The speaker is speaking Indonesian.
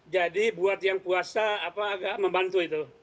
jadi buat yang puasa agak membantu